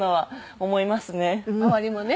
周りもね。